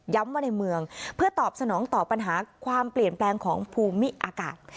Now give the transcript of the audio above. ว่าในเมืองเพื่อตอบสนองต่อปัญหาความเปลี่ยนแปลงของภูมิอากาศ